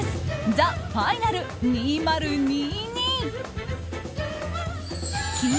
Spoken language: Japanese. ＴＨＥＦＩＮＡＬ２０２２。